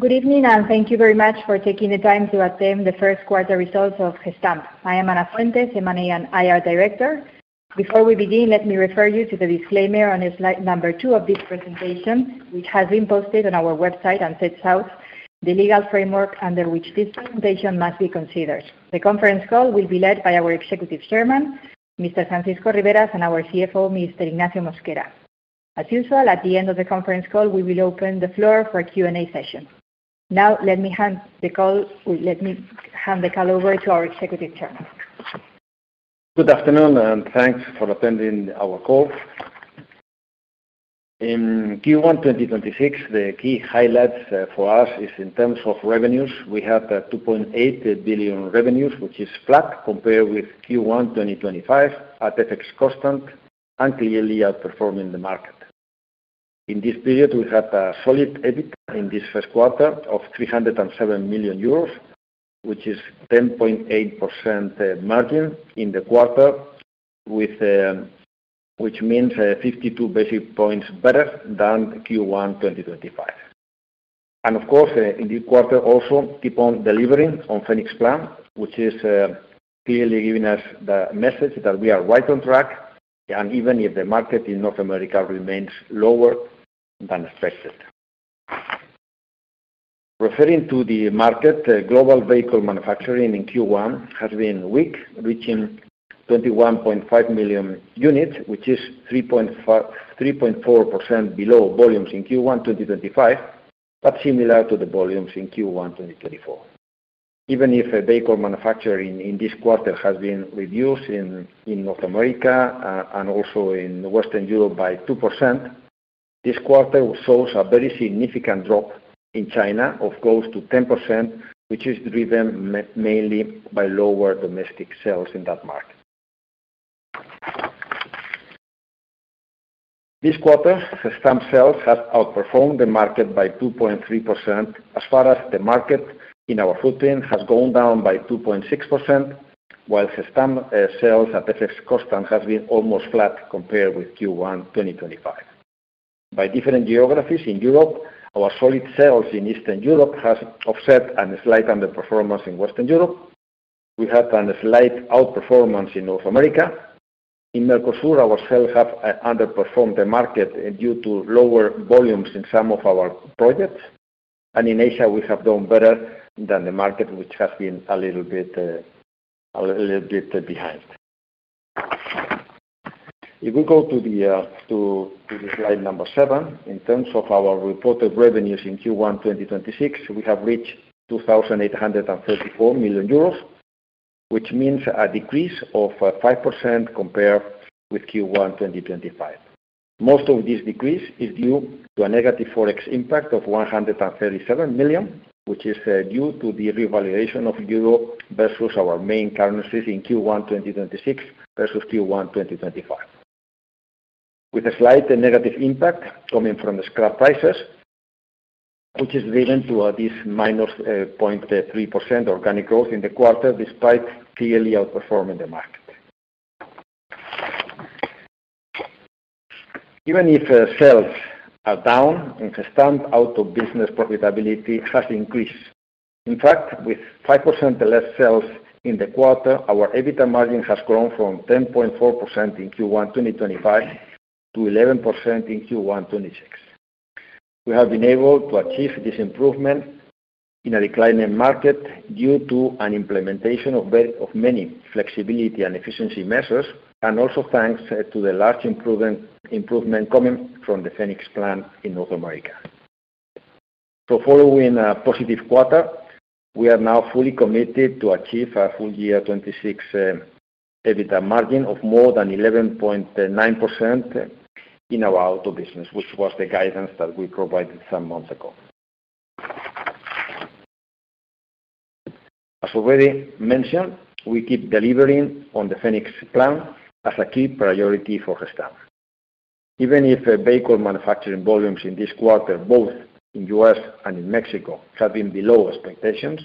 Good evening, and thank you very much for taking the time to attend the first quarter results of Gestamp. I am Ana Fuentes, M&A and IR Director. Before we begin, let me refer you to the disclaimer on Slide 2 of this presentation, which has been posted on our website and sets out the legal framework under which this presentation must be considered. The conference call will be led by our Executive Chairman, Mr. Francisco Riberas, and our CFO, Mr. Ignacio Mosquera. As usual, at the end of the conference call, we will open the floor for Q&A session. Now let me hand the call over to our Executive Chairman. Thanks for attending our call. In Q1 2026, the key highlights for us is in terms of revenues. We have 2.8 billion revenues, which is flat compared with Q1 2025 at FX constant and clearly outperforming the market. In this period, we have a solid EBIT in this first quarter of 307 million euros, which is 10.8% margin in the quarter with which means 52 basis points better than Q1 2025. Of course, in this quarter also keep on delivering on Phoenix Plan, which is clearly giving us the message that we are right on track, even if the market in North America remains lower than expected. Referring to the market, global vehicle manufacturing in Q1 has been weak, reaching 21.5 million units, which is 3.4% below volumes in Q1 2025, but similar to the volumes in Q1 2024. Even if vehicle manufacturing in this quarter has been reduced in North America and also in Western Europe by 2%, this quarter shows a very significant drop in China of close to 10%, which is driven mainly by lower domestic sales in that market. This quarter, Gestamp sales has outperformed the market by 2.3% as far as the market in our footprint has gone down by 2.6%, while Gestamp sales at FX constant has been almost flat compared with Q1 2025. By different geographies in Europe, our solid sales in Eastern Europe has offset a slight underperformance in Western Europe. In Mercosur, our sales have underperformed the market due to lower volumes in some of our projects. In Asia, we have done better than the market, which has been a little bit behind. If we go to the Slide 7, in terms of our reported revenues in Q1 2026, we have reached 2,834 million euros, which means a decrease of 5% compared with Q1 2025. Most of this decrease is due to a negative Forex impact of 137 million, which is due to the revaluation of EUR versus our main currencies in Q1 2026 versus Q1 2025. With a slight negative impact coming from the scrap prices, which is driven to this minus 0.3% organic growth in the quarter, despite clearly outperforming the market. Even if sales are down, in Gestamp auto business profitability has increased. In fact, with 5% less sales in the quarter, our EBITDA margin has grown from 10.4% in Q1 2025 to 11% in Q1 2026. We have been able to achieve this improvement in a declining market due to an implementation of many flexibility and efficiency measures, and also thanks to the large improvement coming from the Phoenix Plan in North America. Following a positive quarter, we are now fully committed to achieve our full year 2026 EBITDA margin of more than 11.9% in our auto business, which was the guidance that we provided some months ago. As already mentioned, we keep delivering on the Phoenix Plan as a key priority for Gestamp. Even if vehicle manufacturing volumes in this quarter, both in U.S. and in Mexico, have been below expectations,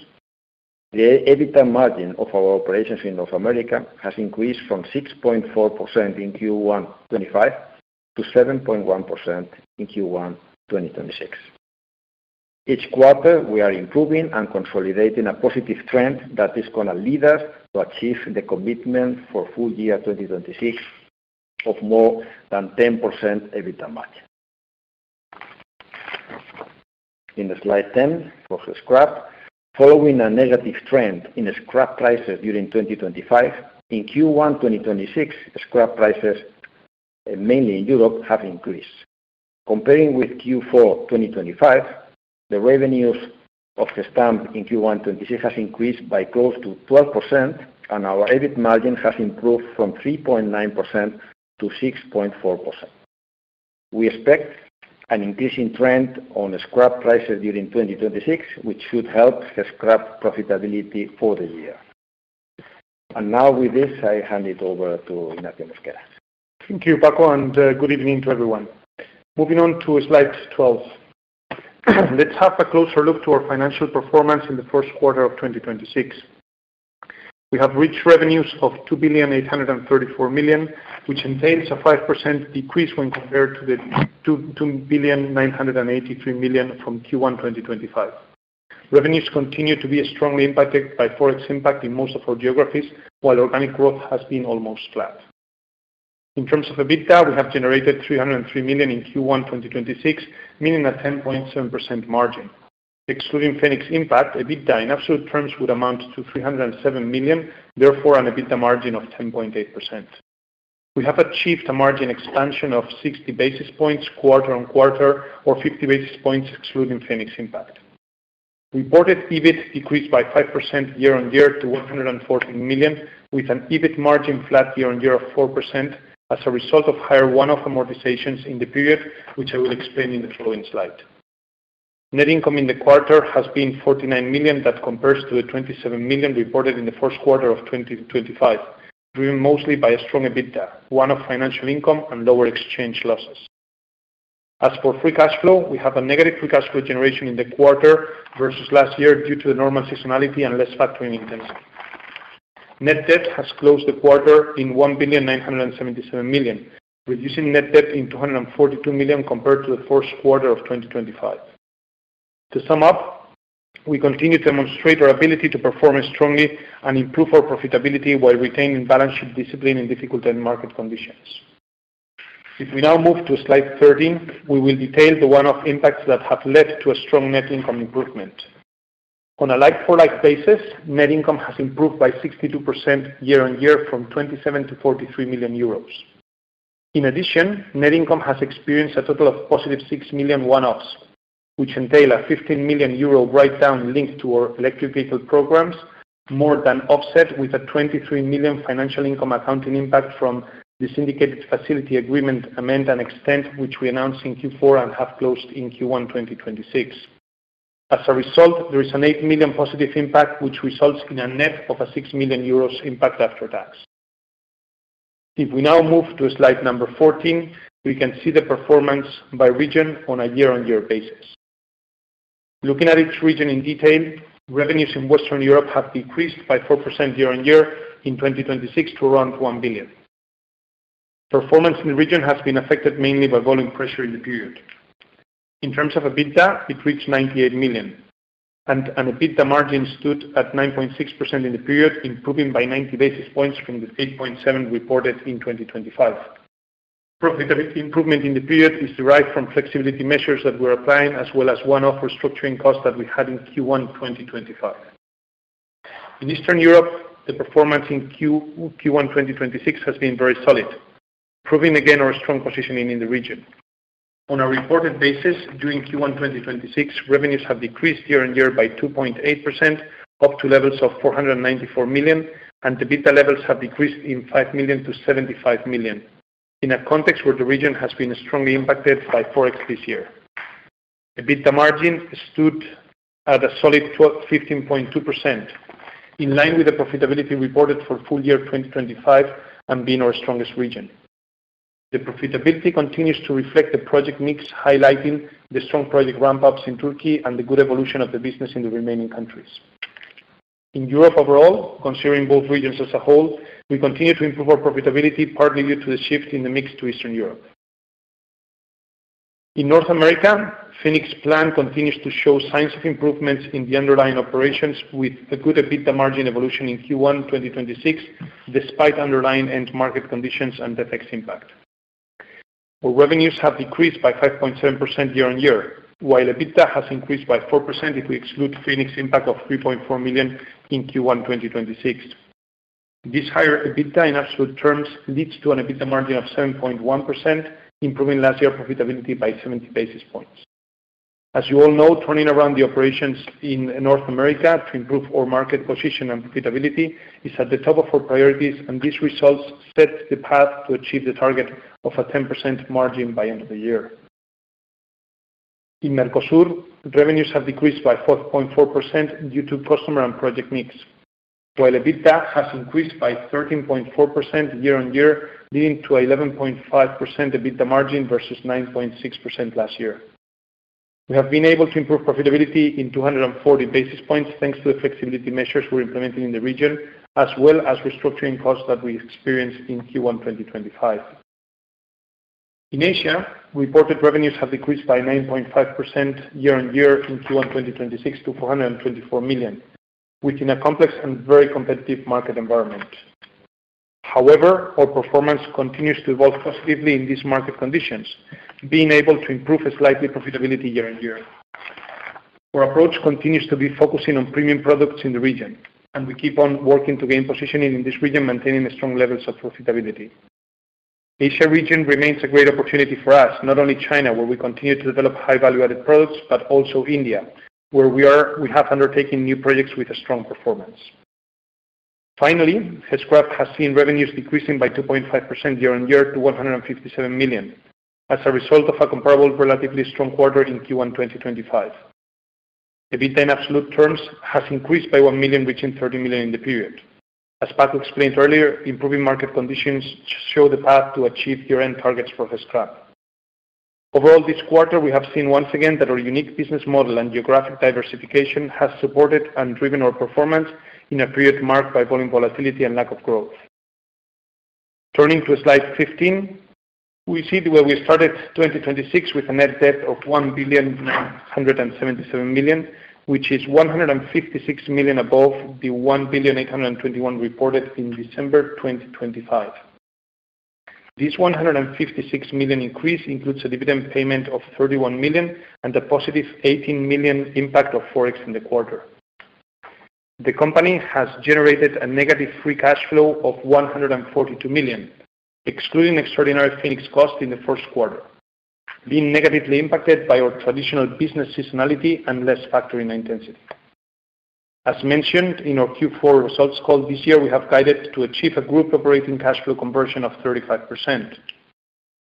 the EBITDA margin of our operations in North America has increased from 6.4% in Q1 2025 to 7.1% in Q1 2026. Each quarter, we are improving and consolidating a positive trend that is gonna lead us to achieve the commitment for full year 2026 of more than 10% EBITDA margin. In Slide 10, for Gescrap, following a negative trend in scrap prices during 2025, in Q1 2026, scrap prices, mainly in Europe, have increased. Comparing with Q4 2025, the revenues of Gestamp in Q1 2026 has increased by close to 12%, and our EBIT margin has improved from 3.9% to 6.4%. We expect an increasing trend on scrap prices during 2026, which should help the Gescrap profitability for the year. Now with this, I hand it over to Ignacio Mosquera. Thank you, Paco, and good evening to everyone. Moving on to Slide 12, let's have a closer look to our financial performance in the first quarter of 2026. We have reached revenues of 2.834 billion, which entails a 5% decrease when compared to 2.983 billion from Q1 2025. Revenues continue to be strongly impacted by Forex impact in most of our geographies, while organic growth has been almost flat. In terms of EBITDA, we have generated 303 million in Q1 2026, meaning a 10.7% margin. Excluding Phoenix impact, EBITDA in absolute terms would amount to 307 million, therefore an EBITDA margin of 10.8%. We have achieved a margin expansion of 60 basis points quarter-on-quarter or 50 basis points excluding Phoenix impact. Reported EBIT decreased by 5% year-on-year to 114 million, with an EBIT margin flat year-on-year of 4% as a result of higher one-off amortizations in the period, which I will explain in the following slide. Net income in the quarter has been 49 million. That compares to the 27 million reported in the first quarter of 2025, driven mostly by a strong EBITDA, one-off financial income, and lower exchange losses. As for free cash flow, we have a negative free cash flow generation in the quarter versus last year due to the normal seasonality and less factory maintenance. Net debt has closed the quarter in 1,977 million, reducing net debt in 242 million compared to the first quarter of 2025. To sum up, we continue to demonstrate our ability to perform strongly and improve our profitability while retaining balance sheet discipline in difficult end market conditions. If we now move to Slide 13, we will detail the one-off impacts that have led to a strong net income improvement. On a like-for-like basis, net income has improved by 62% year-on-year from 27 million to 43 million euros. In addition, net income has experienced a total of positive 6 million one-offs, which entail a 15 million euro write-down linked to our electric vehicle programs, more than offset with a 23 million financial income accounting impact from the syndicated facility agreement amend and extend, which we announced in Q4 and have closed in Q1 2026. As a result, there is an 8 million positive impact, which results in a net of a 6 million euros impact after tax. If we now move to Slide 14, we can see the performance by region on a year-on-year basis. Looking at each region in detail, revenues in Western Europe have decreased by 4% year-on-year in 2026 to around 1 billion. Performance in the region has been affected mainly by volume pressure in the period. In terms of EBITDA, it reached 98 million and an EBITDA margin stood at 9.6% in the period, improving by 90 basis points from the 8.7% reported in 2025. Improvement in the period is derived from flexibility measures that we're applying, as well as one-off restructuring costs that we had in Q1 2025. In Eastern Europe, the performance in Q1 2026 has been very solid, proving again our strong positioning in the region. On a reported basis, during Q1 2026, revenues have decreased year-on-year by 2.8% up to levels of 494 million, and EBITDA levels have decreased in 5 million to 75 million in a context where the region has been strongly impacted by Forex this year. EBITDA margin stood at a solid 15.2%, in line with the profitability reported for full year 2025 and being our strongest region. The profitability continues to reflect the project mix, highlighting the strong project ramp-ups in Turkey and the good evolution of the business in the remaining countries. In Europe overall, considering both regions as a whole, we continue to improve our profitability, partly due to the shift in the mix to Eastern Europe. In North America, Phoenix Plan continues to show signs of improvements in the underlying operations with a good EBITDA margin evolution in Q1 2026, despite underlying end market conditions and the tax impact. Our revenues have decreased by 5.7% year-on-year, while EBITDA has increased by 4% if we exclude Phoenix impact of 3.4 million in Q1 2026. This higher EBITDA in absolute terms leads to an EBITDA margin of 7.1%, improving last year profitability by 70 basis points. As you all know, turning around the operations in North America to improve our market position and profitability is at the top of our priorities, and these results set the path to achieve the target of a 10% margin by end of the year. In Mercosur, revenues have decreased by 4.4% due to customer and project mix. While EBITDA has increased by 13.4% year-on-year, leading to 11.5% EBITDA margin versus 9.6% last year. We have been able to improve profitability in 240 basis points, thanks to the flexibility measures we're implementing in the region, as well as restructuring costs that we experienced in Q1 2025. In Asia, reported revenues have decreased by 9.5% year-on-year in Q1 2026 to 424 million, which in a complex and very competitive market environment. However, our performance continues to evolve positively in these market conditions, being able to improve a slightly profitability year-on-year. Our approach continues to be focusing on premium products in the region. We keep on working to gain positioning in this region, maintaining strong levels of profitability. Asia region remains a great opportunity for us, not only China, where we continue to develop high value-added products, but also India, where we have undertaken new projects with a strong performance. Finally, Gescrap has seen revenues decreasing by 2.5% year-on-year to 157 million as a result of a comparable, relatively strong quarter in Q1 2025. EBITDA in absolute terms has increased by 1 million, reaching 30 million in the period. As Paco explained earlier, improving market conditions show the path to achieve year-end targets for Gestamp. Overall, this quarter, we have seen once again that our unique business model and geographic diversification has supported and driven our performance in a period marked by volume volatility and lack of growth. Turning to Slide 15, we see the way we started 2026 with a net debt of 1,177 million, which is 156 million above the 1,821 reported in December 2025. This 156 million increase includes a dividend payment of 31 million and a positive 18 million impact of Forex in the quarter. The company has generated a negative free cash flow of 142 million, excluding extraordinary Phoenix cost in the first quarter, being negatively impacted by our traditional business seasonality and less factory intensity. As mentioned in our Q4 results call this year, we have guided to achieve a group operating cash flow conversion of 35%.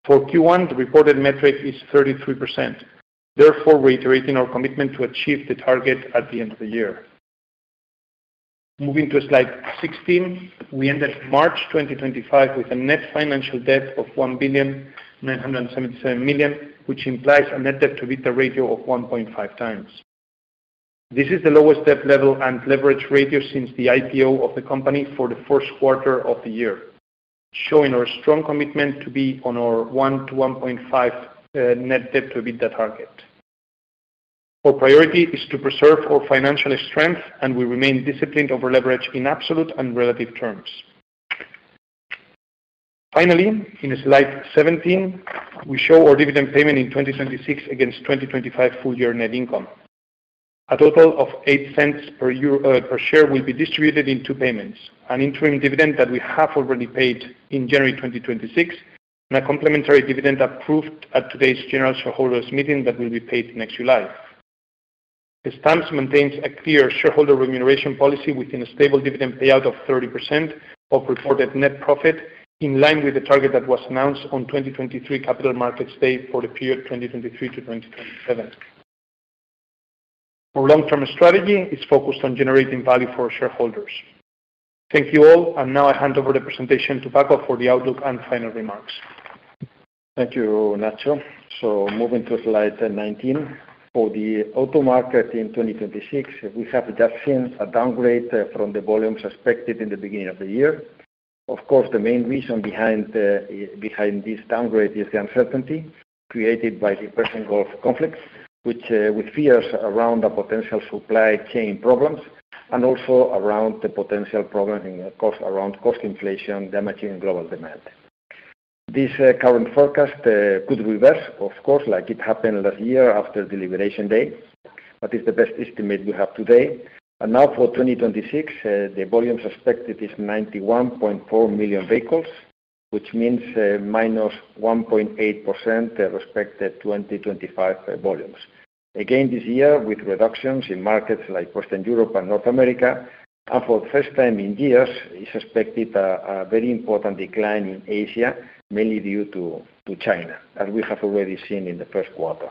For Q1, the reported metric is 33%, therefore reiterating our commitment to achieve the target at the end of the year. Moving to Slide 16, we ended March 2025 with a net financial debt of 1.977 billion, which implies a net debt to EBITDA ratio of 1.5 times. This is the lowest debt level and leverage ratio since the IPO of the company for the first quarter of the year, showing our strong commitment to be on our 1 to 1.5 net debt to EBITDA target. Our priority is to preserve our financial strength, and we remain disciplined over leverage in absolute and relative terms. Finally, in Slide 17, we show our dividend payment in 2026 against 2025 full year net income. A total of 0.08 per year per share will be distributed in two payments, an interim dividend that we have already paid in January 2026, and a complementary dividend approved at today's general shareholders meeting that will be paid next July. Gestamp maintains a clear shareholder remuneration policy within a stable dividend payout of 30% of reported net profit, in line with the target that was announced on 2023 capital markets day for the period 2023 to 2027. Our long-term strategy is focused on generating value for shareholders. Thank you all. Now I hand over the presentation to Paco for the outlook and final remarks. Thank you, Nacho. Moving to Slide 19. For the auto market in 2026, we have just seen a downgrade from the volumes expected in the beginning of the year. Of course, the main reason behind this downgrade is the uncertainty created by the Persian Gulf conflicts, which with fears around the potential supply chain problems and also around the potential problem in cost, around cost inflation damaging global demand. This current forecast could reverse, of course, like it happened last year after the liberation day, but it's the best estimate we have today. Now for 2026, the volume suspected is 91.4 million vehicles, which means minus 1.8% respective 2025 volumes. Again, this year with reductions in markets like Western Europe and North America. For the first time in years, is expected a very important decline in Asia, mainly due to China, as we have already seen in the first quarter.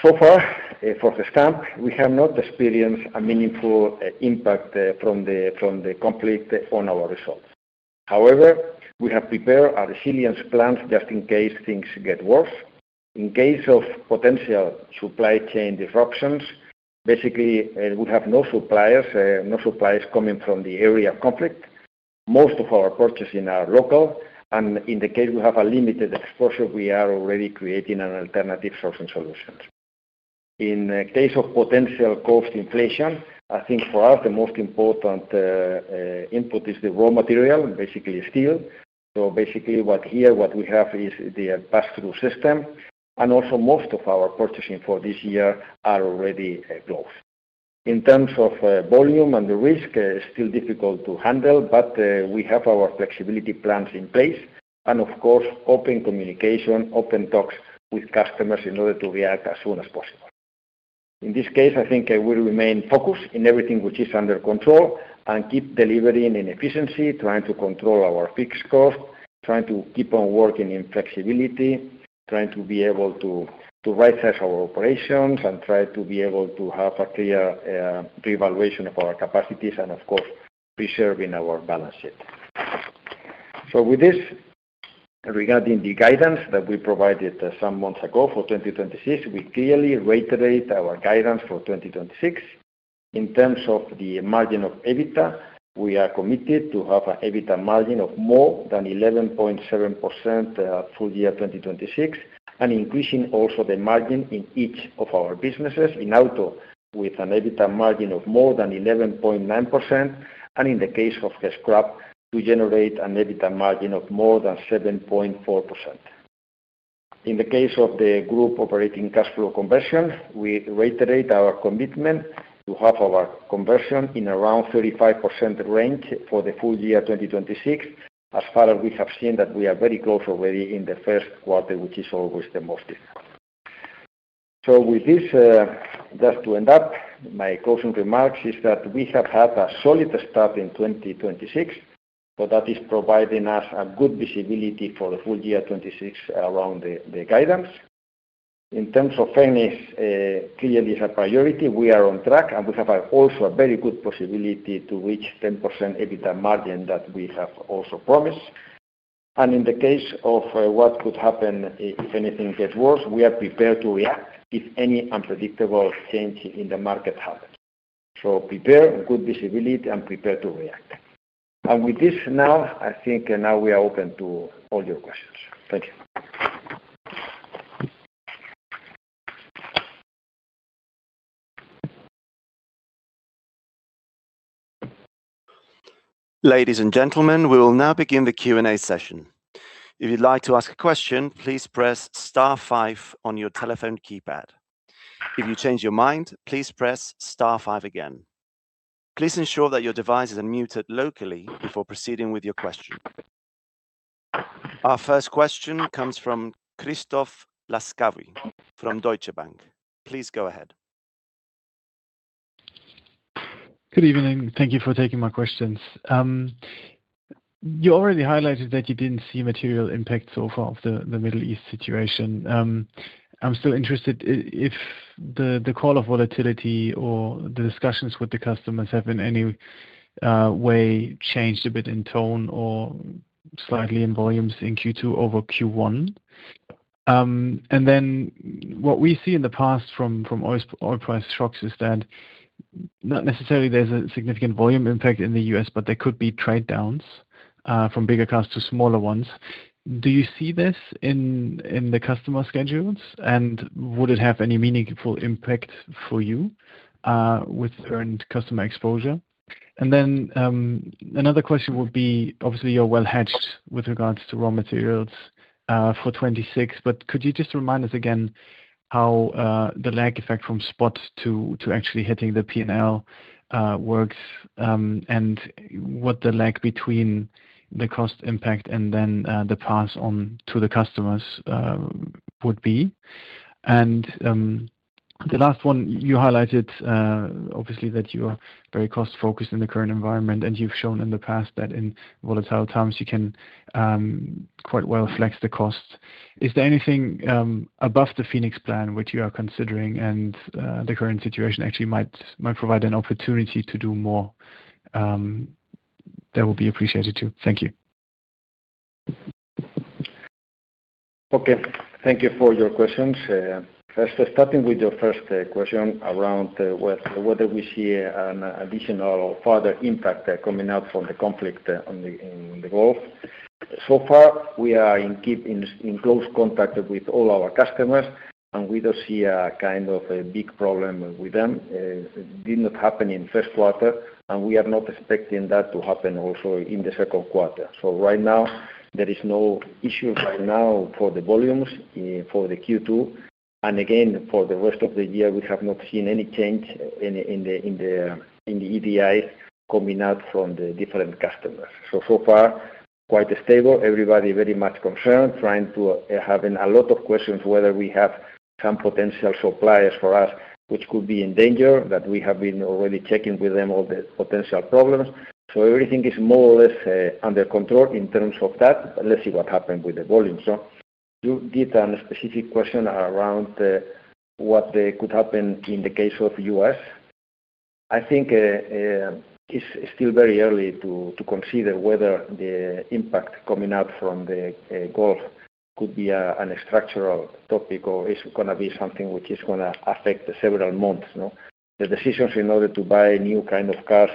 Far, for Gestamp, we have not experienced a meaningful impact from the conflict on our results. However, we have prepared a resilience plan just in case things get worse. In case of potential supply chain disruptions, basically, we have no suppliers coming from the area of conflict. Most of our purchasing are local, in the case we have a limited exposure, we are already creating an alternative sourcing solution. In the case of potential cost inflation, I think for us the most important input is the raw material, basically steel. Basically what we have is the pass-through system. Most of our purchasing for this year are already closed. In terms of volume and the risk, still difficult to handle, but we have our flexibility plans in place and of course, open communication, open talks with customers in order to react as soon as possible. In this case, I think I will remain focused in everything which is under control and keep delivering in efficiency, trying to control our fixed cost, trying to keep on working in flexibility, trying to be able to right-size our operations, and try to be able to have a clear revaluation of our capacities and of course, preserving our balance sheet. Regarding the guidance that we provided some months ago for 2026, we clearly reiterate our guidance for 2026. In terms of the margin of EBITDA, we are committed to have a EBITDA margin of more than 11.7% full year 2026 and increasing also the margin in each of our businesses in auto with an EBITDA margin of more than 11.9% and in the case of Gescrap, to generate an EBITDA margin of more than 7.4%. In the case of the group operating cash flow conversion, we reiterate our commitment to have our conversion in around 35% range for the full year 2026. As far as we have seen that we are very close already in the first quarter, which is always the most difficult. With this, just to end up, my closing remarks is that we have had a solid start in 2026, that is providing us a good visibility for the full year 2026 around the guidance. In terms of Phoenix, it clearly is a priority. We are on track, and we have a also a very good possibility to reach 10% EBITDA margin that we have also promised. In the case of, what could happen if anything gets worse, we are prepared to react if any unpredictable change in the market happens. Prepare, good visibility, and prepare to react. With this now, I think now we are open to all your questions. Thank you. Ladies and gentlemen, we will now begin the Q&A session. If you'd like to ask a question, please press star five on your telephone keypad. If you change your mind, please press star five again. Please ensure that your devices are muted locally before proceeding with your question. Our first question comes from Christoph Laskawi from Deutsche Bank. Please go ahead. Good evening. Thank you for taking my questions. You already highlighted that you didn't see material impact so far of the Middle East situation. I'm still interested if the call of volatility or the discussions with the customers have in any way changed a bit in tone or slightly in volumes in Q2 over Q1. Then what we see in the past from oil price shocks is that not necessarily there's a significant volume impact in the U.S., but there could be trade downs from bigger cars to smaller ones. Do you see this in the customer schedules, and would it have any meaningful impact for you with earned customer exposure? Another question would be, obviously, you're well hedged with regards to raw materials for 2026, but could you just remind us again how the lag effect from spot to actually hitting the P&L works, and what the lag between the cost impact and then the pass on to the customers would be. The last one, you highlighted, obviously that you are very cost-focused in the current environment, and you've shown in the past that in volatile times you can quite well flex the costs. Is there anything above the Phoenix Plan which you are considering, and the current situation actually might provide an opportunity to do more, that will be appreciated too. Thank you. Okay, thank you for your questions. First starting with your first question around whether we see an additional further impact coming out from the conflict on the Gulf. Far, we are in close contact with all our customers, and we don't see a kind of a big problem with them. It did not happen in first quarter, and we are not expecting that to happen also in the second quarter. Right now, there is no issue right now for the volumes for the Q2. Again, for the rest of the year, we have not seen any change in the EDI coming out from the different customers. Far, quite stable. Everybody very much concerned, having a lot of questions whether we have some potential suppliers for us which could be in danger, that we have been already checking with them all the potential problems. Everything is more or less under control in terms of that. Let's see what happens with the volumes. You did a specific question around what could happen in the case of U.S. I think it's still very early to consider whether the impact coming out from the Gulf could be a structural topic or is gonna be something which is gonna affect several months, no. The decisions in order to buy new kind of cars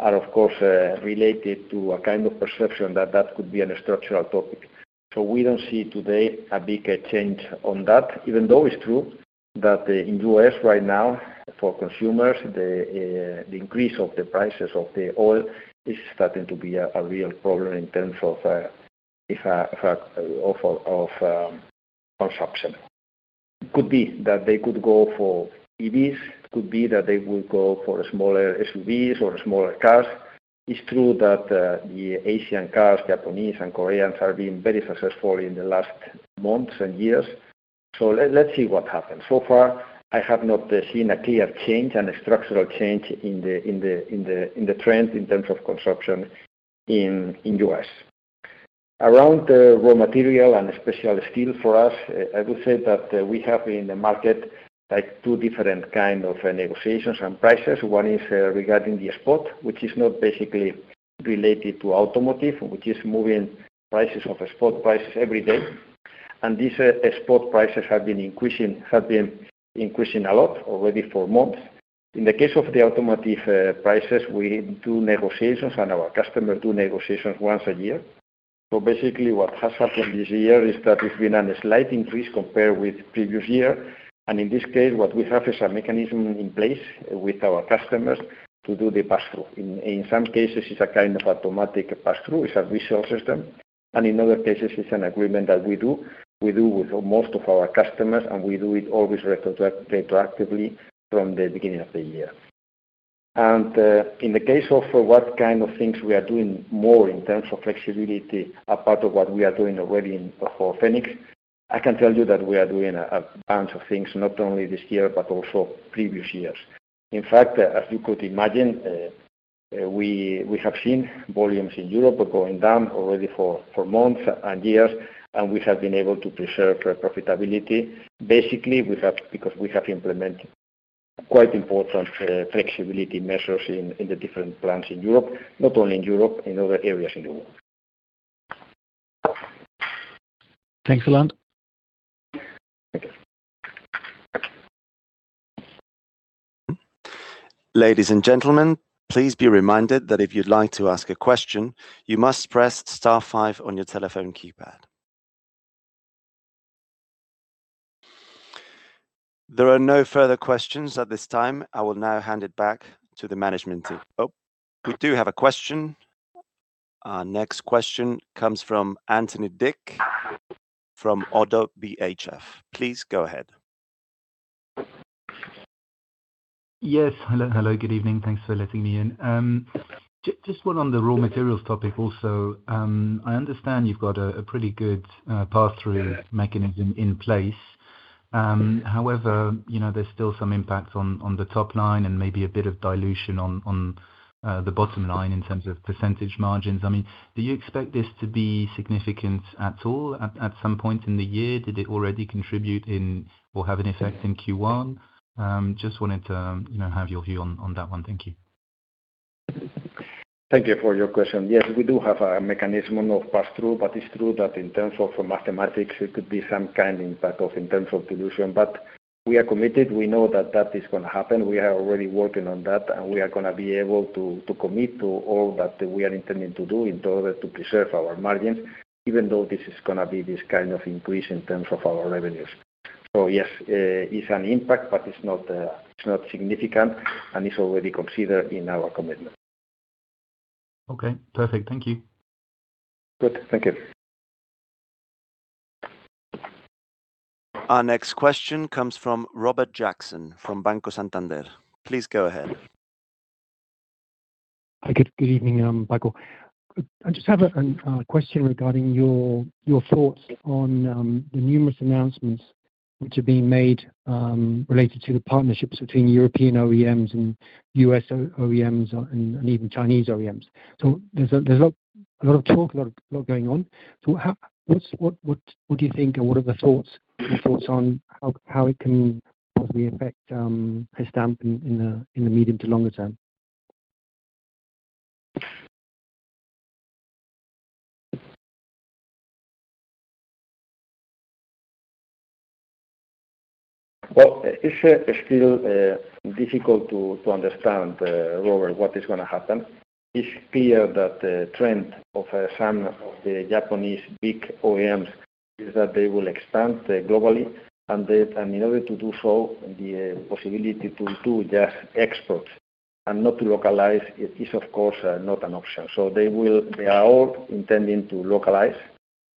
are of course related to a kind of perception that that could be an structural topic. We don't see today a big change on that, even though it's true that in U.S. right now, for consumers, the increase of the prices of the oil is starting to be a real problem in terms of consumption. Could be that they could go for EVs. Could be that they will go for smaller SUVs or smaller cars. It's true that the Asian cars, Japanese and Koreans, have been very successful in the last months and years. Let's see what happens. So far, I have not seen a clear change and a structural change in the trend in terms of consumption in U.S. Around raw material and special steel for us, I would say that we have in the market like two different kinds of negotiations and prices. One is regarding the spot, which is not basically related to automotive, which is moving prices of spot prices every day. These spot prices have been increasing a lot already for months. In the case of the automotive prices, we do negotiations and our customers do negotiations once a year. Basically, what has happened this year is that it's been a slight increase compared with previous year. In this case, what we have is a mechanism in place with our customers to do the pass-through. In some cases, it's a kind of automatic pass-through. It's a visual system, and in other cases, it's an agreement that we do. We do with most of our customers, and we do it always retroactively from the beginning of the year. In the case of what kind of things, we are doing more in terms of flexibility, a part of what we are doing already for Phoenix, I can tell you that we are doing a bunch of things, not only this year, but also previous years. In fact, as you could imagine, we have seen volumes in Europe are going down already for months and years, and we have been able to preserve our profitability. Basically, we have because we have implemented quite important flexibility measures in the different plants in Europe, not only in Europe, in other areas in the world. Thanks, Roland. Thank you. Ladies and gentlemen, please be reminded that if you'd like to ask a question, you must press star 5 on your telephone keypad. There are no further questions at this time. I will now hand it back to the management team. Oh, we do have a question. Our next question comes from Anthony Dick from ODDO BHF. Please go ahead. Yes. Hello, hello. Good evening. Thanks for letting me in. Just one on the raw materials topic also. I understand you've got a pretty good pass-through mechanism in place. However, you know, there's still some impact on the top line and maybe a bit of dilution on the bottom line in terms of % margins. I mean, do you expect this to be significant at all at some point in the year? Did it already contribute in or have an effect in Q1? Just wanted to, you know, have your view on that one. Thank you. Thank you for your question. Yes, we do have a mechanism of pass-through. It's true that in terms of mathematics, it could be some kind impact of in terms of dilution. We are committed. We know that that is gonna happen. We are already working on that, and we are gonna be able to commit to all that we are intending to do in order to preserve our margins, even though this is gonna be this kind of increase in terms of our revenues. Yes, it's an impact, but it's not significant, and it's already considered in our commitment. Okay. Perfect. Thank you. Good. Thank you. Our next question comes from Robert Jackson from Banco Santander. Please go ahead. Hi. Good evening, Michael. I just have a question regarding your thoughts on the numerous announcements which are being made related to the partnerships between European OEMs and U.S. OEMs and even Chinese OEMs. There's a lot of talk, a lot going on. What do you think, and what are your thoughts on how it can possibly affect Gestamp in the medium to longer term? Well, it's still difficult to understand, Robert, what is gonna happen. It's clear that the trend of some of the Japanese big OEMs is that they will expand globally, and in order to do so, the possibility to do just exports and not localize it is, of course, not an option. So, they are all intending to localize,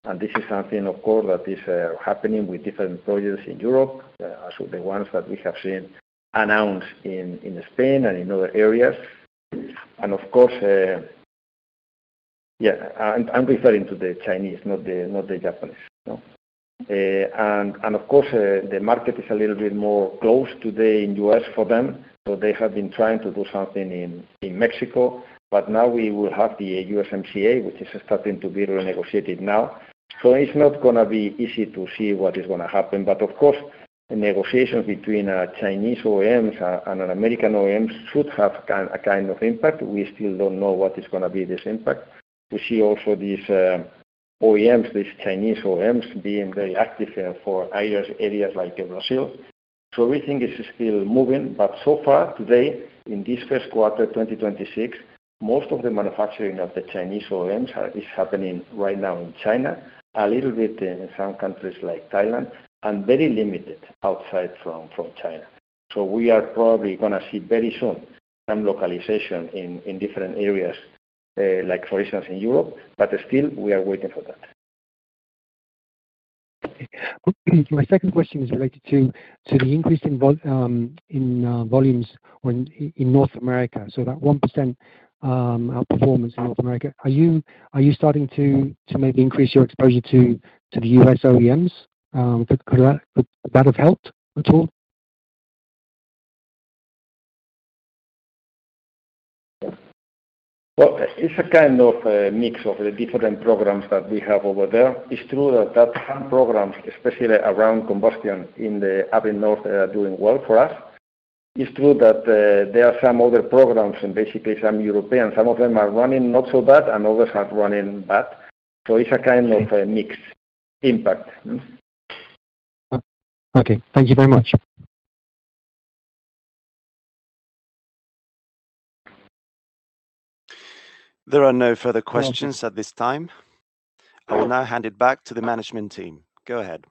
and this is something, of course, that is happening with different projects in Europe. The ones that we have seen announced in Spain and in other areas. Of course, yeah. I'm referring to the Chinese, not the Japanese. No. Of course, the market is a little bit more closed today in U.S. for them, so they have been trying to do something in Mexico. Now we will have the USMCA, which is starting to be renegotiated now. It's not going to be easy to see what is going to happen. Of course, the negotiations between Chinese OEMs and American OEMs should have a kind of impact. We still don't know what is going to be this impact. We see also these OEMs, these Chinese OEMs, being very active for areas like Brazil. Everything is still moving. So far today, in this first quarter 2026, most of the manufacturing of the Chinese OEMs is happening right now in China, a little bit in some countries like Thailand, and very limited outside from China. We are probably going to see very soon some localization in different areas, like for instance in Europe, but still, we are waiting for that. Okay. My second question is related to the increase in volumes in North America. That 1% outperformance in North America. Are you starting to maybe increase your exposure to the U.S. OEMs? Could that have helped at all? Well, it's a kind of a mix of the different programs that we have over there. It's true that some programs, especially around combustion in the up in north, are doing well for us. It's true that there are some other programs and basically some European. Some of them are running not so bad, and others are running bad. Okay A mixed impact. Okay. Thank you very much. There are no further questions at this time. I will now hand it back to the management team. Go ahead.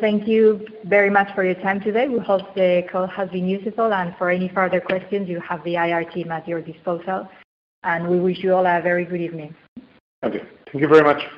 Thank you very much for your time today. We hope the call has been useful. For any further questions, you have the IR team at your disposal. We wish you all a very good evening. Thank you. Thank you very much.